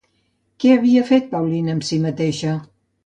Què havia fet Paulina amb si mateixa?